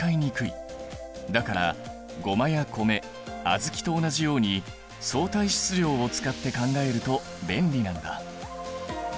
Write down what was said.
だからゴマや米小豆と同じように相対質量を使って考えると便利なんだ。